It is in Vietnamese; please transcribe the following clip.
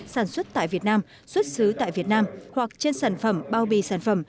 sản xuất tại việt nam xuất xứ tại việt nam hoặc trên sản phẩm bao bì sản phẩm